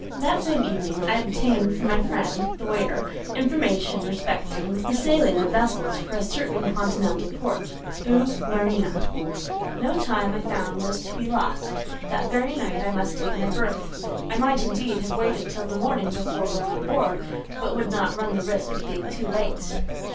That same evening I obtained from my friend, the waiter, information respecting, the sailing of vessels for a certain continental port, Boue Marine. No time, I found, was to be lost: that very night I must take my berth. I might, indeed, have waited till the morning before going on board, but would not run the risk of being too late.